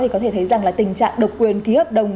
thì có thể thấy rằng là tình trạng độc quyền ký hợp đồng